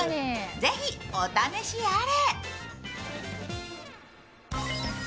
ぜひ、お試しあれ。